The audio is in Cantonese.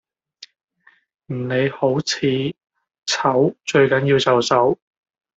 唔理好似醜最緊要就手